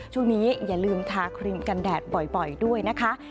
อย่าลืมทาครีมกันแดดบ่อยด้วยนะคะ